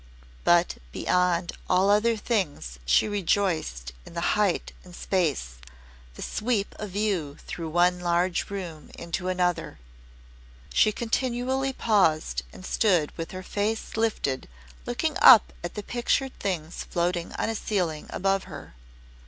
But beyond all other things she rejoiced in the height and space, the sweep of view through one large room into another. She continually paused and stood with her face lifted looking up at the pictured things floating on a ceiling above her.